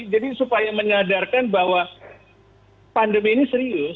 jadi supaya menyadarkan bahwa pandemi ini serius